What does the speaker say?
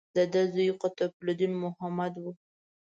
د ده زوی قطب الدین محمد و.